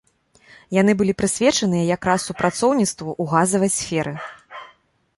Яны былі прысвечаныя якраз супрацоўніцтву ў газавай сферы.